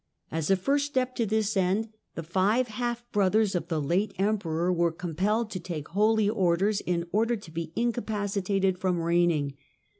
As a first step to this end the five half brothers of the late Emperor were compelled to take holy orders in order to be incapacitated from reigning.